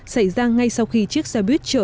xảy ra ngay sau khi chiếc xe buýt chờ